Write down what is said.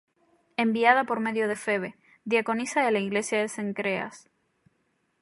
enviada por medio de Febe, diaconisa de la iglesia de Cencreas.